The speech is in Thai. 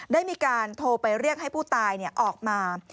ได้มีการโทรไปเรียกให้ผู้ตายออกมา